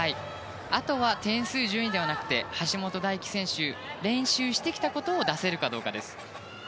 あとは点数順位じゃなくて橋本大輝選手練習してきたことを出せるかどうかです。